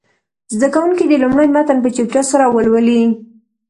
زده کوونکي دې لومړی متن په چوپتیا سره ولولي.